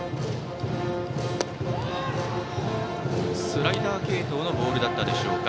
スライダー系統のボールだったでしょうか。